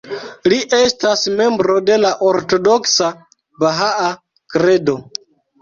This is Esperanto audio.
Li estas membro de la ortodoksa Bahaa Kredo.